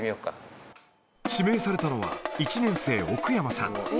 指名されたのは、１年生、奥山さん。